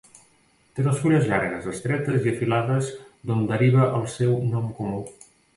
Té les fulles llargues, estretes i afilades d'on deriva el seu nom comú.